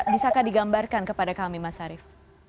bisakah digambarkan kepada kami mas arief